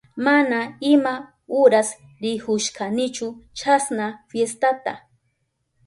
Mana ima uras rikushkanichu chasna fiestata.